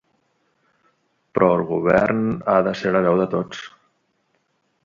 Però el govern ha de ser la veu de tots.